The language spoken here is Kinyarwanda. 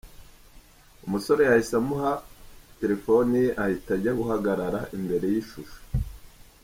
Umusore yahise amuha telefoni ye ahita ajya guhagarara imbere y’ishusho.